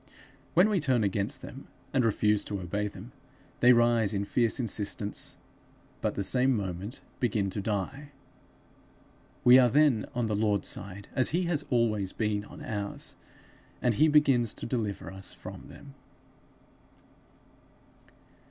When we turn against them and refuse to obey them, they rise in fierce insistence, but the same moment begin to die. We are then on the Lord's side, as he has always been on ours, and he begins to deliver us from them.